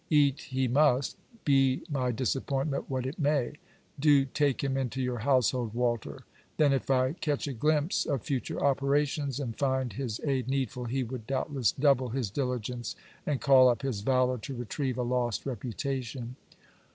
Eat he must, be my disappointment what it may. Do take him into your household, Walter. Then, if I catch a glimpse of future operations and find his aid needful, he would doubtless double his diligence, and call up his valour to retrieve a lost reputation.